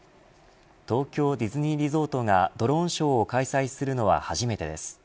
東京ディズニーリゾートがドローンショーを開催するのは初めてです。